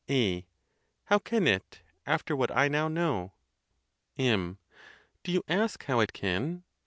A. How can it, after what I now know? M. Do you ask how it can?